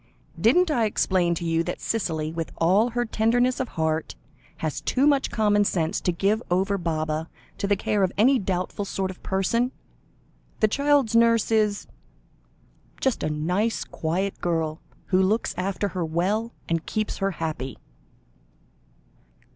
"Didn't I explain to you that Cicely, with all her tenderness of heart, has too much common sense to give over Baba to the care of any doubtful sort of person? The child's nurse is just a nice, quiet girl, who looks after her well and keeps her happy."